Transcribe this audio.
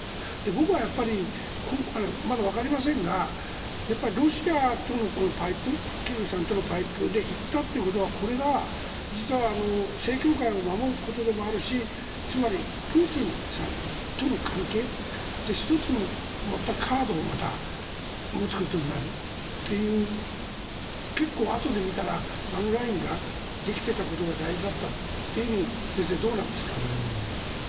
僕はまだわかりませんがロシアとのパイプキリルさんとのパイプで行ったということは、これは実は正教会を守ることでもあるしつまり、プーチンさんとの関係１つのカードをまた持つことになるという結構、あとで見たらあのラインができていたことが大事だったというふうに先生、どうなんですか？